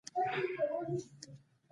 جیورج برنارد شاو وایي بدلون پرمختګ دی.